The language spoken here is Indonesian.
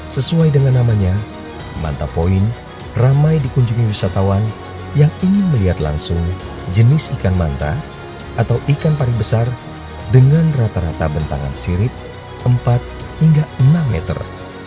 sesuai dengan namanya manta point ramai dikunjungi wisatawan yang ingin melihat langsung jenis ikan manta atau ikan pari besar dengan rata rata bentangan sirip empat hingga enam meter